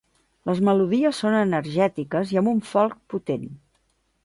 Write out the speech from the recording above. Les melodies són energètiques i amb un folk potent.